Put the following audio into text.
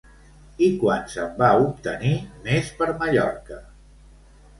I quants en va obtenir Més per Mallorca?